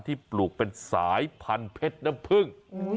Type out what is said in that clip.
ปลูกเป็นสายพันธุ์เพชรน้ำพึ่ง